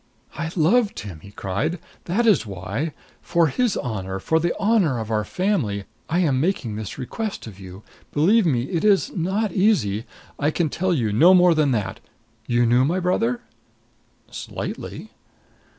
"I loved him!" he cried. "That is why. For his honor, for the honor of our family, I am making this request of you. Believe me, it is not easy. I can tell you no more than that. You knew my brother?" "Slightly."